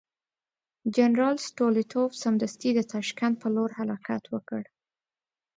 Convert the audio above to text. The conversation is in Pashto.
جنرال ستولیتوف سمدستي د تاشکند پر لور حرکت وکړ.